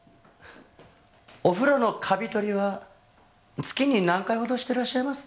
お風呂のカビ取りは月に何回ほどしてらっしゃいます？